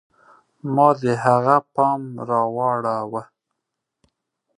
ما د هغه پام را واړوه.